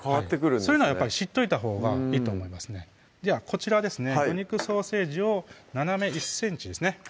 そういうのは知っといたほうがいいと思いますねじゃあこちらですね魚肉ソーセージを斜め１ｃｍですね